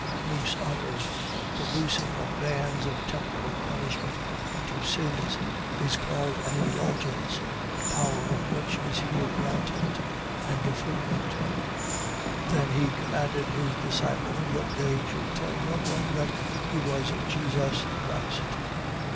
Loose on earth. . .The loosing the bands of temporal punishments due to sins, is called an indulgence; the power of which is here granted. 16:20. Then he commanded his disciples, that they should tell no one that he was Jesus the Christ.